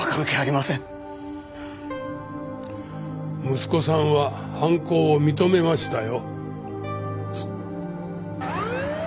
息子さんは犯行を認めましたよ。